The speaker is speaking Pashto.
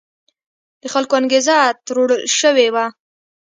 د خلکو انګېزه تروړل شوې وه.